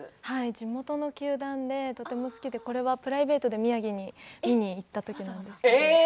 地元の球団でとても好きでプライベートで宮城に見に行った時なんですけれど。